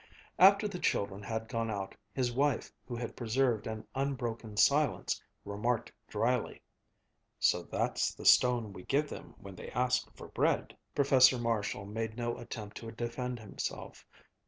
After the children had gone out, his wife, who had preserved an unbroken silence, remarked dryly, "So that's the stone we give them when they ask for bread." Professor Marshall made no attempt to defend himself.